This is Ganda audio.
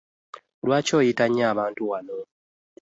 Lwaki oyita nnyo abantu wano?